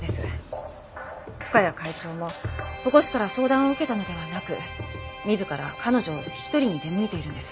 深谷会長も保護司から相談を受けたのではなく自ら彼女を引き取りに出向いているんです。